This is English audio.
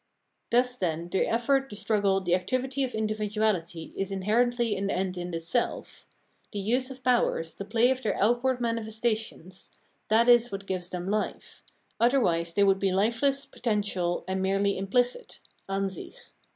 Thus, then, the effort, the struggle, the activity of individuahty is inherently an end in itself ; the use of powers, the play of their outward manifestations — that is what gives them life : otherwise they would be hfeless, potential, and merely imphcit {Ansich).